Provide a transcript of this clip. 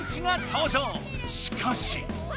しかし。